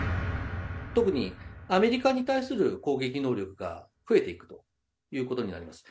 特にアメリカに対する攻撃能力が増えていくということになります。